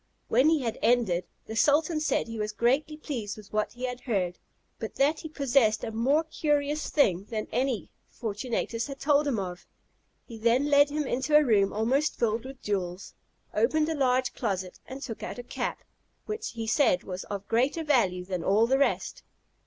When he had ended, the sultan said he was greatly pleased with what he had heard, but that he possessed a more curious thing than any Fortunatus had told him of. He then led him into a room almost filled with jewels, opened a large closet, and took out a cap, which he said was of greater value than all the rest.